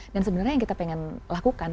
dan sebenarnya yang kita pengen lakukan